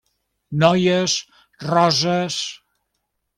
-Noies… roses!…